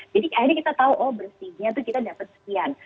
jadi akhirnya kita tahu oh bersihnya itu kita dapat sekian